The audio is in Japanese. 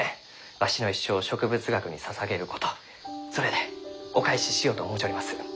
わしの一生を植物学にささげることそれでお返ししようと思うちょります。